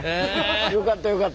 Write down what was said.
よかったよかった。